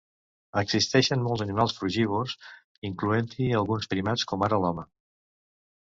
Existeixen molts animals frugívors, incloent-hi alguns primats com ara l'home.